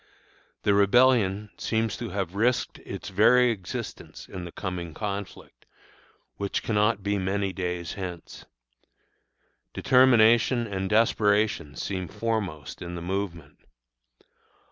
The rebellion seems to have risked its very existence in the coming conflict, which cannot be many days hence. Determination and desperation seem foremost in the movement.